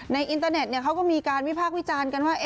อินเตอร์เน็ตเขาก็มีการวิพากษ์วิจารณ์กันว่า